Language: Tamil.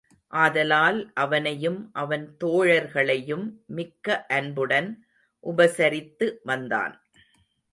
ஆதலால் அவனையும் அவன் தோழர்களையும் மிக்க அன்புடன் உபசரித்து வந்தான்.